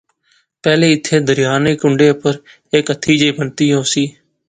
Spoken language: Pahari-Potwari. پہلے ایتھیں دریا نے کنڈے اُپر ہیک ہتی جئی بنتی ہوسی